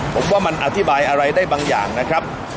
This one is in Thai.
ผมว่ามันอธิบายอะไรได้บางอย่างนะครับ